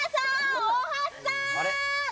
あれ？